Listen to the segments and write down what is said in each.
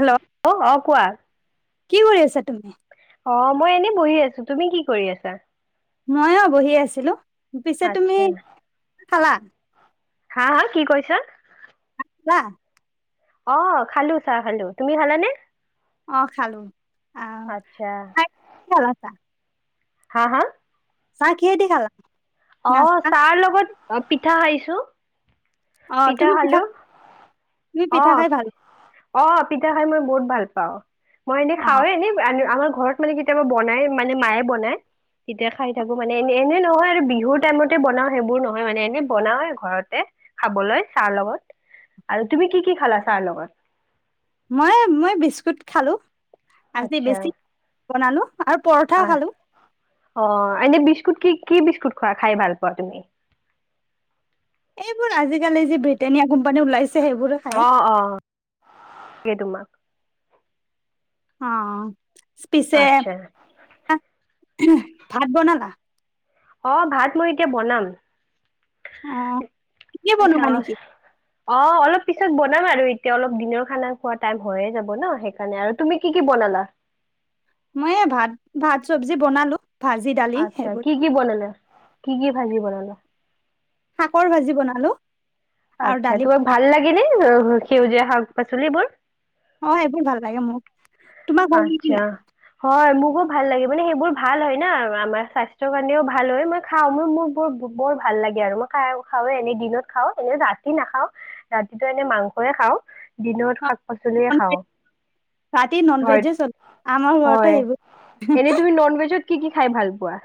Hello অ অ কোৱা কি কৰি আছা তুমি? অ মই এনেই বহি আছোঁ তুমি কি কৰি আছা মইয়ো বহি আছিলো পিছে তুমি আচ্ছা খালা হা হা কি কৈছা লা অ খালো চাহ খালো তুমি খালানে অ খালো আচ্ছা ক'ত আছা হা হা চাহ কিহে দি খালা অ চাহ লগত অ পিঠা খাইছো অ তুমি পিঠা তুমি অ পিঠা খাই ভাল অ পিঠা খাই মই বহুত ভাল পাওঁ মই এনে অ খাওঁৱে এনেই আমাৰ ঘৰত মানে কেতিয়াবা বনাই মানে মায়ে বনাই তেতিয়া খাই থাকো মানে এনে এনে নহয় আৰু বিহুৰ টাইমতে বনাও সেইবোৰ নহয় মানে এনে বনাও ঘৰতে খাবলৈ চাহৰ লগত আৰু তুমি কি কি খালা চাহৰ লগত মই মই বিস্কুট খালো আজি আত্ছা বেছি বনালো আৰু পৰঠা অ খালো। অ এনেই বি বিস্কুট কি কি বিস্কুট খোৱা খাই ভাল পোৱা তুমি এইবোৰ আজিকালি য যে ব্ৰিটেনিয়া কোম্পানী ওলাইছে সেইবোৰে খাই। অ অ গে তোমাক অ পিছে আচ্ছা ভাত বনালা অ ভাত মই এতিয়া বনাম অ তুমিয়েই বনোৱা নেকি? চাওঁ- অ অলপ পিছত বনাম আৰু এতিয়া অলপ দিনৰ খানা খোৱা টাইম হয়ে যাব ন সেইকাৰণে আৰু তুমি কি কি বনালা? মই এ ভাত ভাত চব্জি বনালো ভাজি দালি আচ্ছা সেইবোৰ কি কি বনালে কি কি ভাজি বনালা [unintelligible] শাকৰ ভাজি বনালো আৰু আচ্ছা দালি তোমাৰ ভাল লাগে নে? অ সেউজীয়া শাক পাচলিবোৰ অ এইবোৰ ভাল লাগে মোৰ আত্ছা হয় মোৰ ভাল লাগে মানে সেইবোৰ ভাল হয় না আৰু আমাৰ স্বাস্থ্যৰ কাৰণেও ভাল হয় মই খাওঁ ম মোৰ ব বৰ ভাল লাগে আৰু মই খ খাওে এনে দিনত খাওঁ এনে ৰাতি নাখাওঁ ৰাতিটো এনে মাংস য়ে খাওঁ দিনত পাচলিয়ে খাওঁ ৰাতি নন হয় ভেজে চলে আমাৰ ঘৰতো হয় সেইবোৰ এনেই তুমি নন ভেজত কি কি খাই ভাল পোৱা?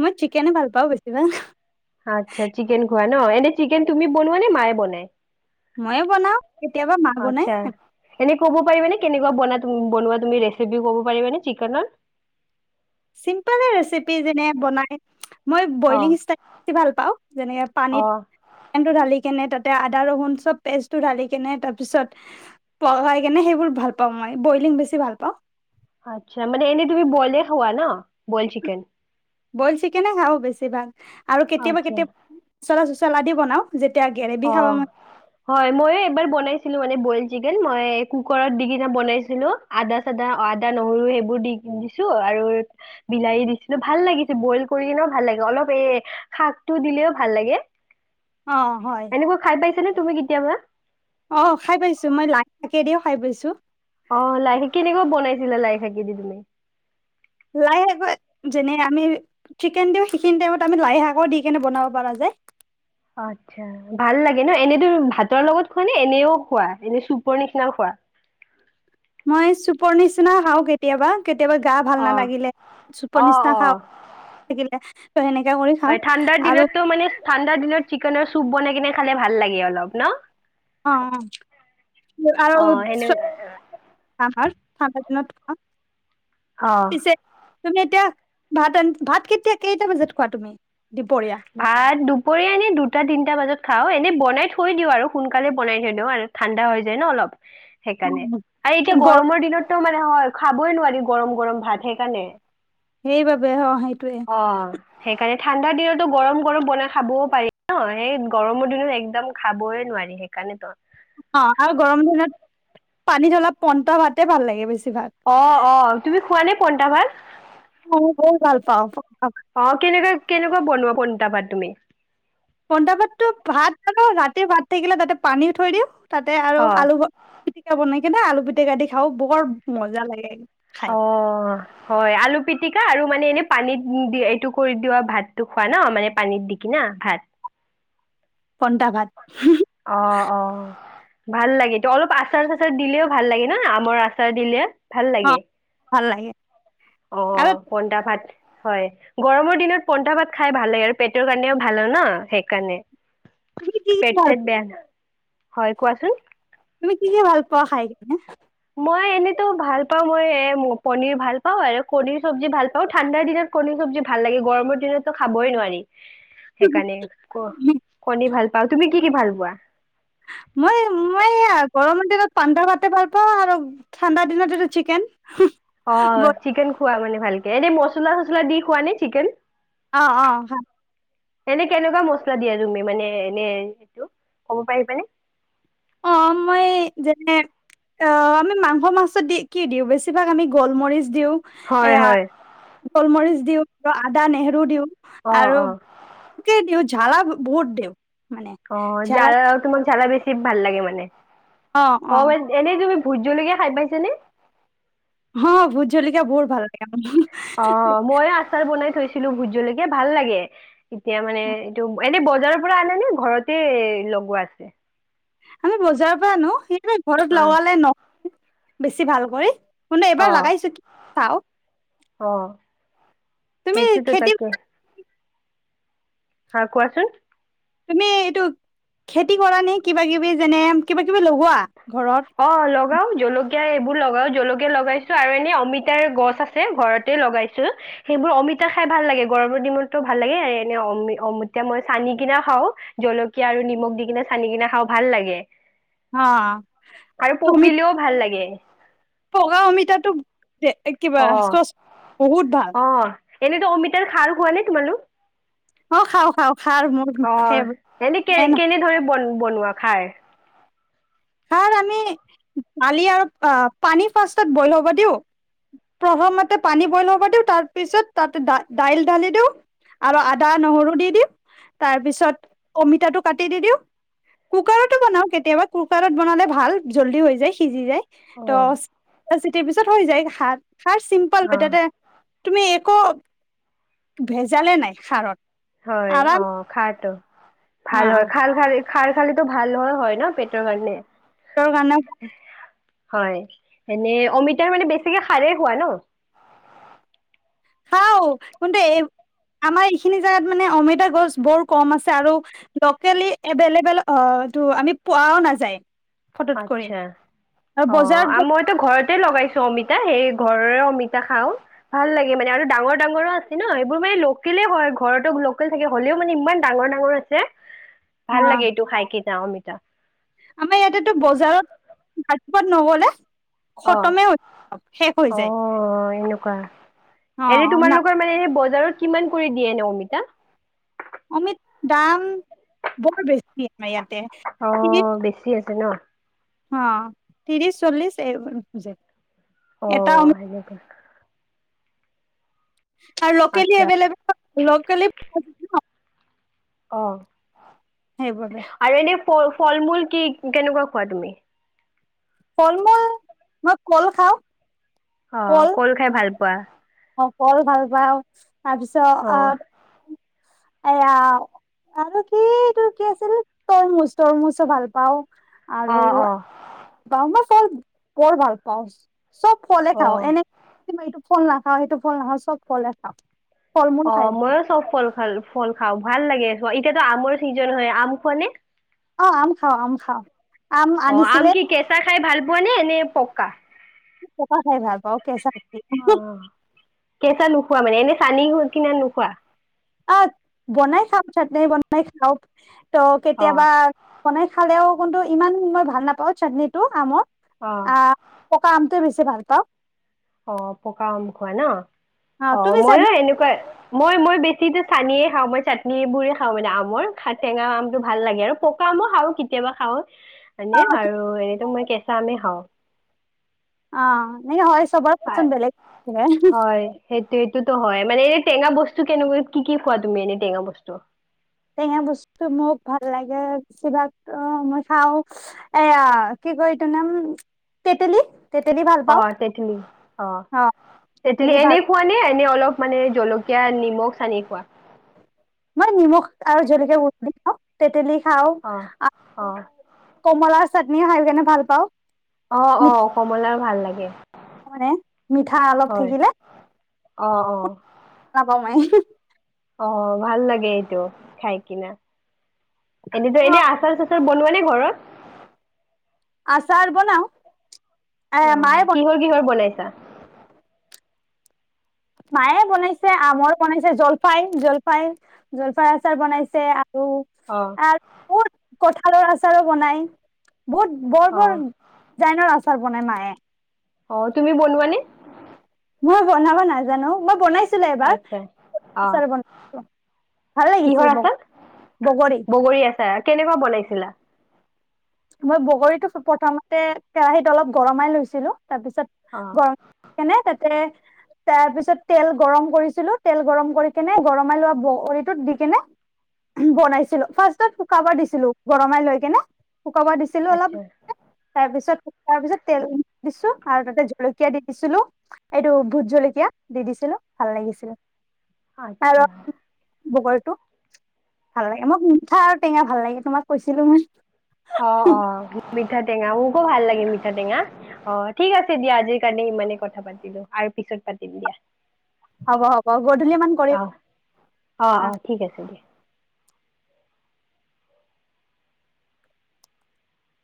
মই চিকেনে ভাল পাওঁ বেছি ভাল। আচ্ছা চিকেন খোৱা ন এনে চিকেন তুমি বনোৱা নে মায়ে বনাই ময়ে বনাও কেতিয়াবা মা বনাই আচ্ছা এনে ক'ব পাৰিবানে কেনেকুৱা বন বনোৱা তুমি ৰেচিপি কব পাৰিবা নে চিকেনৰ চিম্পলে ৰেচিপি যেনে বনাই মই অ বইলিং ইষ্ট ভাল পাওঁ যেনেকে অ পানীত ঢালি কিন তাতে আদা নহৰু চব পেষ্টটো ধালিকিনে তাৰপিছত পঘাই কিনে মই বৈলিং বেছি ভাল পাও। আচ্ছা মানে এনে তুমি বইলে খোৱা ন বইল চিকেন বইল চিকেনে খাওঁ বেছি ভাগ আৰু কেতিয়াবা আচ্ছা কেতিয়াবা পচলা চচলা দি বনাও যেতিয়া গ্ৰেভি অ খাব মন হয় মই এই এবাৰ বনাইছো ছিলো মানে বয়েল চিকেন মই কুকাৰত দি কিনে বনাইছিলো আদা চাদা আদা নহৰু সেইবোৰ দি দিছো আৰু বিলাহী দিছিলো ভাল লাগিছিলে বইল কৰি কিনেও ভাল লাগে অলপ এই শাকটো দিলেও ভাল লাগে। অ হয় এনেকুৱা খাই পাইছা নে তুমি কেতিয়াবা অ খাই পাইছোঁ মই লাই শাকে দিওঁ খাই পাইছোঁ সেইতি কিজনি লাই শাকত যেনে আমি চিকেন দিওঁ সেইখিনি টাইমত আমি লাই শাকো দি কেনে বনাব পাৰা যায়। আচ্ছা ভাল লাগে ন এনেতো ভাতৰ লগত খোৱা নে এনেও খোৱা এনে চুপৰ নিচিনাও খোৱা। মই চুপৰ নিচিনা খাওঁ কেতিয়াবা কেতিয়াবা গা ভাল অ নালাগিলে চুপৰ অ নিচনা অ খাওঁ এ হয় ঠাণ্ডাৰ দিনতটো মানে ঠাণ্ডাৰ দিনত চিকেনৰ চুপ বনাই কিনে খালে ভাল লাগে অলপ ন অ অ আৰু ঠাণ্ডা দিনত অঁ [unintelligible] অঁ তুমি এতিয়া ভাত ৰা ভাত কেতিয়া কেইটা বজাত খোৱা তুমি দুপৰীয়া ভাত দুপৰীয়া এনে দুটা তিনটা বজাত খাওঁ এনেই বনাই থৈ দিওঁ আৰু সোনকালে বনাই থৈ দিওঁ আৰু ঠাণ্ডা হৈ যায় ন অলপ সেইকাৰণে আৰু এতিয়া গৰম গৰমৰ দিনতো মানে হয় খাবই নোৱাৰি গৰম গৰম ভাত সেইকাৰণে সেইবাবে অঁ সেইটোৱে অ সেইকাৰণে ঠাণ্ডা দিনতো গৰম গৰম বনাই খাবও পাৰি ন সেই গৰমৰ দিনত একদম খাবই নোৱাৰি সেইকাৰণে তো অঁ আৰু গৰম দিনত পানীত অলপ পইটা ভাতে ভাল লাগে বেছি ভাগ অঁ অঁ তুমি খোৱা নে পইণ্টা ভাত মই বহুত ভাল পাওঁ পন্তা অঁ কেনেকা কেনেকুৱা বনোৱা পইনটা ভাত তুমি পইতা ভাত টো ভাত ন ৰাতিৰ ভাত থাকিলে তাতে পানী থৈ দিওঁ তাতে আৰু অ আলু বয়ে বনাই কিনে আলু পিটিকা দি খাওঁ বৰ মজা লাগে খাই অঁ হয় আলু পিটি কা আৰু মানে এনে পানীত দি এইটো কৰি দিওঁ ভাতটো খোৱা ন মানে পানীত দি কি না ভাত পন্তা ভাত। হঁ-। অ'- অ', ভাল লাগে। ইটো অলপ আচাৰ-চাচাৰ দিলেও ভাল লাগে ন'? আমৰ আচাৰ দিলে। ভাল অ লাগে। ভাল লাগে অ' আৰু পন্তা ভাত। হয়। গৰমৰ দিনত পন্তা ভাত খাই ভাল লাগে আৰু পেটৰ কাৰণেও ভাল হয় ন', সেইকাৰণে। তুমি কি ভাল চেত পোৱা বেয়া। হয়, কোৱাচোন। তুমি কি - কি ভাল পোৱা খাই কেনে? মই এনেতো ভাল পাওঁ। মই এ- ম- পনীৰ ভাল পাওঁ আৰু কণীৰ চব্জি ভাল পাওঁ। ঠাণ্ডাৰ দিনত কণীৰ চব্জি ভাল লাগে। গৰমৰ দিনততো খাবই নোৱাৰি। সেইকাৰণে ক- কণী ভাল পাওঁ। তুমি কি - কি ভাল পোৱা? মই- মই এয়া গৰমৰ দিনত পন্তা ভাতে ভাল পাওঁ আৰু ঠাণ্ডা দিনটোতো চিকেন। অ' চিকেন খোৱা মানে ভাল কে। এনে মচলা-চচলা দি খোৱা নে চিকেন? অ'-অ', হয়। এনে কেনেকুৱা মচলা দিয়া তুমি? মানে এনে সেইটো, ক'ব পাৰিবানে? অ' মই যেনে- অ' আমি মাংস-মাছত দি- কি দিওঁ, বেছিভাগ আমি গলমৰিচ দিওঁ। হয় এয়া হয় গলমৰিচ দিওঁ আৰু আদা নেহৰু দিওঁ। অ' আৰু - অ'। কে দিওঁ। ঝালা বহুত দিওঁ। মানে অ' জ্বালা জ্বাল- তোমাক জ্বালা বেছি ভাল লাগে মা নে। অ' মানে এনে তুমি ভূত জলকীয়া খাই পাইছেনে? অ' ভুত জলকীয়া বহুত ভাল লাগে। মোৰ। অ' মই আচাৰ বনাই লৈছিলোঁ ভোট জল য়া ভাল লাগে। এতিয়া মানে এইটো, এনে বজাৰৰ পৰা আনে নে ঘৰতে লগোৱা আছে? আমি বজাৰৰ পৰা আনোঁ। সেই এনে ঘৰত অ লৱালে নহ [inaudible] বেছি ভাল কৰি চোন দে। অ এবাৰ লাগাইছোঁ কি চাওঁক। অ'। সেইটোটো খেতি তাকে। হয় কোৱাচোন। তুমি এইটো খেতি কৰা নে কিবা-কিবি যেনে, কিবা কিবি লগোৱা? ঘৰত অ লগাও জলকীয়া এইবোৰ লগাও। জলকীয়া লগাইছো আৰু এনে অমিতাৰ গছ আছে ঘৰতে লগাইছো সেইবোৰ অমিতা খাই ভাল লাগে গৰমৰ দিনতো ভাল লাগে আৰু এনে অম অমিতা মই চানি কিনা খাও জলকীয়া আৰু নিমখ দি কিনে চানি কিনা খাওঁ ভাল লাগে অ আৰু তুমিত পকিলেও ভাল লাগে পকা অমিতাটো। কিবা চ বহুত ভাল এনেইতো অমিতাৰ খাৰ খোৱা নাই তোমালোক। অ খাও খাওঁ অ এনে কেনে কেনেধৰে বন বনোৱা। খায়। াৰ আমি দালি আৰু পানী ফাৰ বইল হব দি প্ৰথমতে পানী বইল হব দি তাৰপিছত তা দাইল ঢালি দিওঁ আৰু আদা নহৰু দি দিওঁ তাৰপিছত অমিতাটো কাটি দি দিওঁ কুকাৰতো বনাওঁ কেতিয়া কুকাৰত বনালে ভাল জল্দি হৈ যায় সিজি যায় অ ততি পিছত হৈ যায় ঘাত। খাৰ চিম্পল অ হয় ততে তুমি একো ভেজালে নাই সাৰত হয় অ খাওতো। অ ভাল হয় খাল খাল খাল খাল ভাল হয় হয় ন পেটৰ কাৰণে। তোৰ গানে হয় এনে অমিতাৰ মানে বেছিকে সাৰেই হোৱা ন হাও কিন্তু এই আমাৰ এইখিনি জেগাত মানে অমিতা গছ বৰ কম আছে আৰু লোকেলি এভেইলেবলটো আমি পোৱাও নাযায়। ফটোত কৰি আচ্ছা আৰু অ বজাৰত আৰু গৈ মইতো ঘৰতে লগাইছো অমিতা সেই ঘৰৰে অমিতা খাও ভাল লাগে মানে আৰু ডাঙৰ ডাঙৰো আছে ন সেইবোৰ মানে লোকেলে হয় ঘৰতো লোকেল থাকে হ'লেও মানে ইমান ডাঙৰ ডাঙৰ আছে ভাল অ' লাগে এইটো খাই কি যা অমিতা। আমাৰ ইয়াতেটো বজাৰত কতিপাত নগলে অ খতমে হৈ শেষ হৈ অ যায় এনেকুৱা এনে অ' না তোমালোকৰ মানে সেই বজাৰত কিমান কৰি দিয়ে ন অমিতা। অমিত দাম। বৰ বেছি আমাৰ ইয়াতে শ পাতনা অ তিৰিশ চল্লিশ এইজ অ সেনেকোৱা আৰু লোকেলি আচ্ছা এভলেব লোকেলি অ সেইবাবে আৰু এনেই ফ ফল মূল কি কেনেকুৱা খোৱা তুমি ফল মূল মই কল খাওঁ অ কল খাই ভাল পোৱা অ কল ভাল পাওঁ তাৰপিছত অ আ এয়া আৱ আৰু কি তোৰ কি আছিল তৰমুজ তৰমুজো ভাল পাওঁ অ আৰু অ বামা ফল বৰ ভাল পাওঁ চব ফলে অ খাওঁ এনে শুন না খাওঁ সেইটো ফল নাখাওঁ চব ফলে খাওঁ ফল মূল অ খাই মইয়ো চব ফল খালো ফল খাওঁ ভাল লাগে এতিয়াতো আমৰ চিজন হয় আম খোৱা নে অ আম খাওঁ আম খাওঁ আম অ আম আনিছিলে কি কেঁচা খাই ভাল পোৱা নে নে পকা পকা খাই ভাল পাওঁ কেচা অ কেঁচা নোখোৱা মানে এনে চানি কৰি কিনে নোখোৱা অহ বনাই খাও চাটনি বনাই খাওঁ ত অ কেতিয়াবা বনাই খালেও কিন্তু ইমান মই ভাল নাপাওঁ চাটনি টো আম অহ পকা আমটোয়ে বেছি ভাল পাওঁ অ পকা আম খোৱা ন আহ অ তুমি ময়ো এনেকোৱাই মই মই বেছি টো চানিয়ে খাওঁ মই চাটনি বোৰে খাওঁ মানে আমৰ ঠেঙা আমটো ভাল লাগে আৰু পকা আমো খাওঁ কেতিয়াবা খাওঁ মানে চাটনি আৰু এনেইতো মই কেঁচা আমে খাওঁ অ নে হয় চবৰে পছন্দ বেলেগ থাকে হোমহ সেইটোৱে তটো হয় মানে মানে এই টেঙা বস্তু কেনেকোৱা কি কি খোৱা তুমি এনেই টেঙা বস্তু টেঙা বস্তু মোক ভাল লাগে কিবা অ মই খাওঁ এয়া কি কয় এইটো নাম তেতেলী তেতেলী ভাল অ পাওঁ তেতেলী অ তেতেলী এনেই খোৱা নে এনে অলপ মানে জলকীয়া নিমখ সানি খোৱা মই নিমখ আৰু জলকীয়া গুৰি খাওঁ তেতেলী খাওঁ অ অ আৰু কমলা চাটনি খাই কিনে ভাল পাওঁ। অ অ মিঠা কমলাৰ ভাল লাগে মানে মিঠা অলপ হয় থাকিলে। অ অ নাপামেই অ ভাল লাগে এইটো খাই কিনে। এনেতো অ এনে আচাৰ চাচাৰ বনোৱা নে ঘৰত আচাৰ বনাও এ আহ মায়ে কিহৰ কিহৰ বনাইছা মায়ে বনাইছে আমৰ বনাইছে জলফাই জলফাই জলফাইৰ আচাৰ বনাইছে অ কঠালৰ আচাৰো বনাই বহুত বৰ অ বৰ দিজাইনৰ আচাৰ বনাই মায়ে অ তুমি বলোৱা নে? মই বনাব নাজানো মই বনাইছো ছিলে এবাৰ আচ্ছা অ ভাল লাগিছিল কিহৰ ব আচাৰ বগৰী কেনেকুৱা বনাইছিলা? মই বগৰীতো প্ৰথমতে কেৰাহীত অলপ গৰমাই লৈছিলো তাৰপিছত অ গৰম কেনে তাতে তাৰপিছত তেল গৰম কৰিছিলো তেল গৰম কৰি কেনে গৰমাই লোৱা বগৰিটোত দি কেনে বনাইছিলো ফাৰ্ষ্ট ত শুকাব দিছিলো গৰমাই লৈ কেনে শুকাব দিছিলো অলপ আচ্ছা তাৰপিছত শুকোৱাৰ পিছত তেল দিছো আৰু তাতে জলকীয়া দি দিছিলো এইটো ভোট জলকীয়া দি দিছিলো ভাল লাগিছিল আচ্ছা বগৰীটো ভাল লাগে মোক মিঠা আৰু টেঙা ভাল লাগে তোমাক কৈছিলো মই অ অ মিঠা টেঙা মোকো ভাল লাগে মিঠা টেঙা অ ঠিক আছে দিয়া আজিৰ কাৰণে ইমানে কথা পাতিলো আৰু পিছত পাতিম দিয়া হ'ব হ'ব গধূলি মান কৰি অ' অ' অ' আহ ঠিক আছে দিয়া।